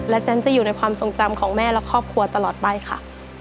เจนจะอยู่ในความทรงจำของแม่และครอบครัวตลอดไปค่ะ